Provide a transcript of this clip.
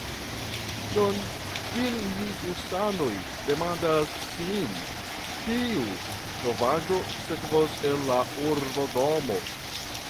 Nun vilniusanoj demandas sin, kiu novaĵo sekvos el la urbodomo.